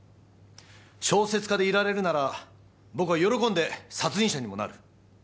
小説家でいられるなら僕は喜んで殺人者にもなる。